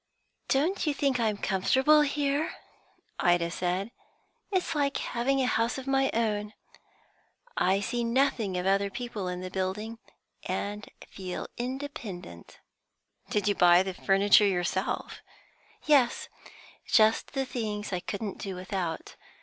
"Don't you think I'm comfortable here?" Ida said. "It's like having a house of my own. I see nothing of the other people in the building, and feel independent." "Did you buy the furniture yourself?" "Yes; just the things I couldn't do without.